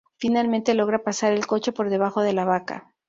Finalmente logra pasar el coche por debajo de la vaca.